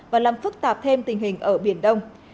và làm phức tạp thêm tình hình ở biển đông